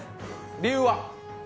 理由は？